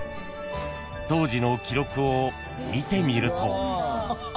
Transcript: ［当時の記録を見てみると］